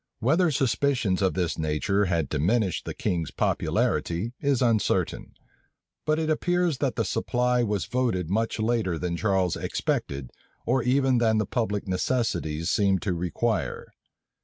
Whether suspicions of this nature had diminished the king's popularity, is uncertain; but it appears that the supply was voted much later than Charles expected, or even than the public necessities seemed to require.